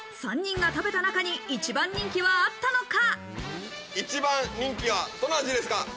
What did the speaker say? ３人が食べた中に一番人気はどの味ですか？